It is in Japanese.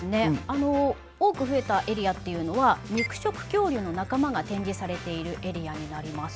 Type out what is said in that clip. あの多く増えたエリアっていうのは肉食恐竜の仲間が展示されているエリアになります。